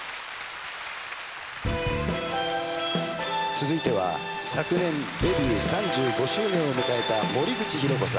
続いては昨年デビュー３５周年を迎えた森口博子さん。